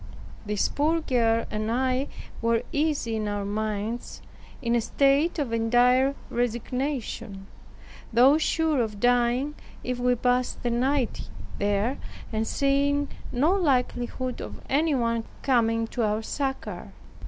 This poor girl and I were easy in our minds, in a state of entire resignation, though sure of dying if we passed the night there, and seeing no likelihood of anyone coming to our succor.